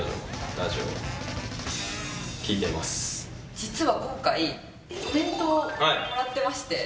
実は今回コメントをもらってまして。